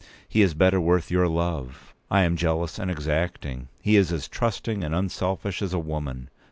He is better worth your love. I am jealous and exacting; he is as trusting and unselfish as a woman.